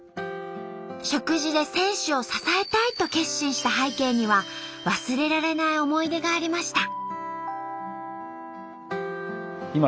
食事で選手を支えたいと決心した背景には忘れられない思い出がありました。